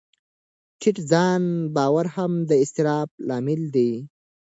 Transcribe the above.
ټیټ ځان باور هم د اضطراب لامل دی.